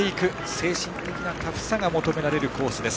精神的なタフさが求められるコースです。